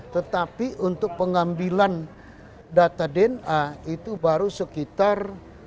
tetapi untuk pengambilan data dna itu baru sekitar